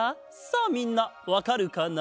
さあみんなわかるかな？